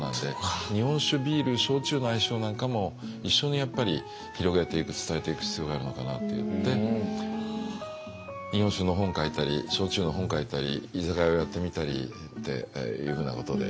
日本酒ビール焼酎の相性なんかも一緒にやっぱり広げていく伝えていく必要があるのかなっていって日本酒の本書いたり焼酎の本書いたり居酒屋をやってみたりっていうふうなことで。